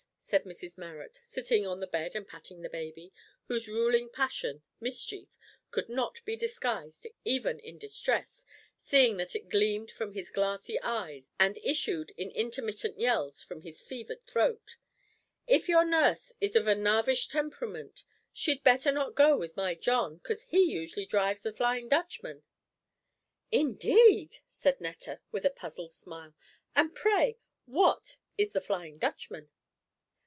said Mrs Marrot, sitting on the bed and patting the baby, whose ruling passion, mischief, could not be disguised even in distress, seeing that it gleamed from his glassy eyes and issued in intermittent yells from his fevered throat, "if your nurse is of a narvish temperment she'd better not go with my John, 'cause he usually drives the Flyin' Dutchman." "Indeed!" said Netta, with a puzzled smile; "and pray, what is the Flyin' Dutchman?"